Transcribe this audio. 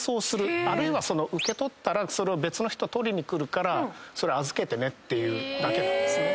あるいは受け取ったらそれを「別の人取りに来るからそれ預けてね」っていうだけなんですね。